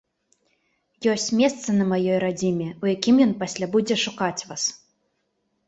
Ёсць месца на маёй радзіме, у якім ён пасля будзе шукаць вас.